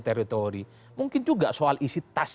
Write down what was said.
teritori mungkin juga soal isi tas